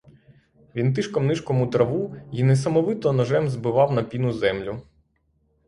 Він тишком-нишком у траву й несамовито ножем збивав на піну землю.